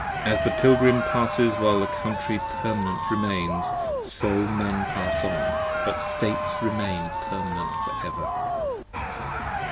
As the Pilgrim passes while the Country permanent remains, So Men pass on ; but States remain permanent for ever.